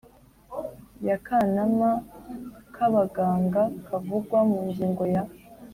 y akanama k abaganga kavugwa mu ngingo ya